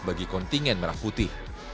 bagi kontingen merah putih